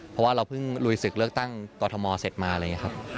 เพราะว่าเราเพิ่งลุยศึกเลือกตั้งกรทมเสร็จมาอะไรอย่างนี้ครับ